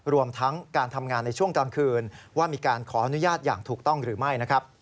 รวมทั้งการทำงานในช่วงกลางคืนว่ามีการขออนุญาตอย่างถูกต้องหรือไม่นะครับ